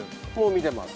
見てます。